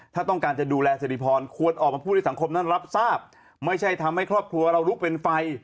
ถ้าต้องการจะดูแลสิริพรควรออกมาพูดให้สังคมนั้นรับทราบไม่ใช่ทำให้ครอบครัวเราลุกเป็นไฟ